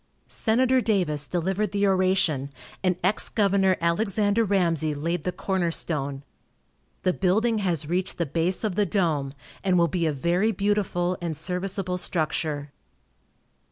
Senator Davis delivered the oration, and ex Gov. Alexander Ramsey laid the corner stone. The building has reached the base of the dome, and will be a very beautiful and serviceable structure.